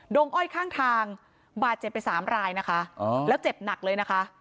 งอ้อยข้างทางบาดเจ็บไปสามรายนะคะแล้วเจ็บหนักเลยนะคะ